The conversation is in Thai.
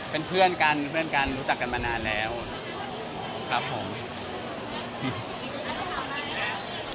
เป็นเพื่อนกันเพื่อนกันรู้จักกันมานานแล้วครับผม